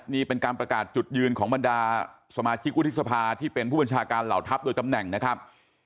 นี่เป็นการประกาศจุดยืนของบรรดาสมาชิกวุฒิสภาที่เป็นผู้บัญชาการเหล่าทัพโดยตำแหน่งนะครับ